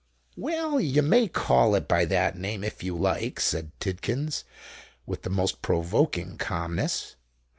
"Well—you may call it by that name, if you like," said Tidkins, with the most provoking calmness.